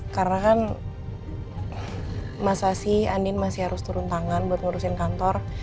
karena kan masa sih andien masih harus turun tangan buat ngurusin kantor